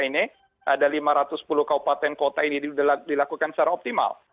di indonesia ini ada lima ratus sepuluh kaupaten kota ini dilakukan secara optimal